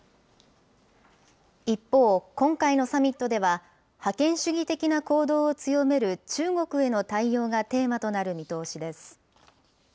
一方、今回のサミットでは、覇権主義的な行動を強める中国への対応がテーマとなる見通しです。